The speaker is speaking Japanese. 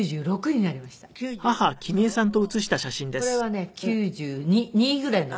これはね９２ぐらいの時。